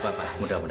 pak pak tahu